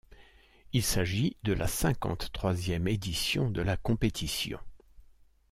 Il s'agît de la cinquante-troisième édition de la compétition.